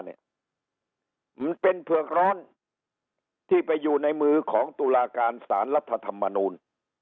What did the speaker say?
มันเป็นเผือกร้อนที่ไปอยู่ในมือของตุลาการสารรัฐธรรมนูล